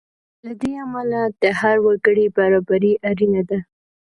له دې امله د هر وګړي برابري اړینه ده.